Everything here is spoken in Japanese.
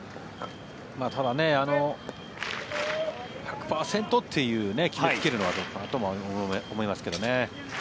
ただ、１００％と決めつけるのはどうかなと思いますけどね。